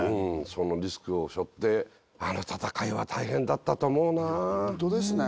そのリスクを背負ってあの戦いは大変だったと思うなホントですね